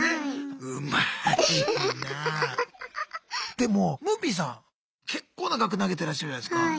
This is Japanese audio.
でもむーぴんさん結構な額投げてらっしゃるじゃないすか。